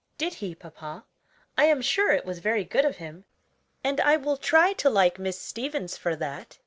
"Did he, papa? I am sure it was very good of him, and I will try to like Miss Stevens for that.